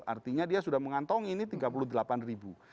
artinya dia sudah mengantongi ini tiga puluh delapan ribu